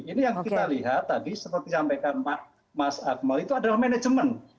ini yang kita lihat tadi seperti sampaikan mas akmal itu adalah manajemen